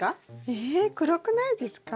え黒くないですか？